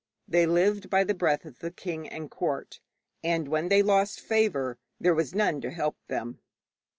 They lived by the breath of the king and court, and when they lost favour there was none to help them.